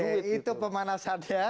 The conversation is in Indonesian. oke itu pemanasan ya